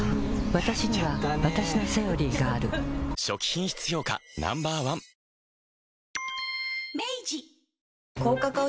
わたしにはわたしの「セオリー」がある初期品質評価Ｎｏ．１高カカオ